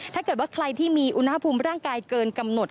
ถ้าเกิดว่าใครที่มีอุณหภูมิร่างกายเกินกำหนด